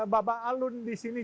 babah alun disini